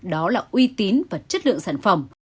đó là uy tín và chất lượng sản phẩm